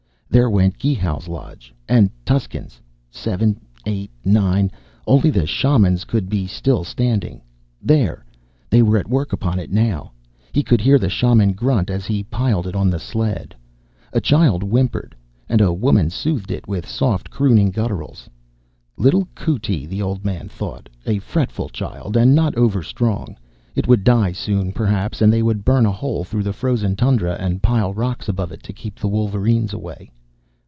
There went Geehow's lodge! And Tusken's! Seven, eight, nine; only the shaman's could be still standing. There! They were at work upon it now. He could hear the shaman grunt as he piled it on the sled. A child whimpered, and a woman soothed it with soft, crooning gutturals. Little Koo tee, the old man thought, a fretful child, and not overstrong. It would die soon, perhaps, and they would burn a hole through the frozen tundra and pile rocks above to keep the wolverines away.